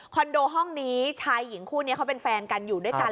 โดห้องนี้ชายหญิงคู่นี้เขาเป็นแฟนกันอยู่ด้วยกัน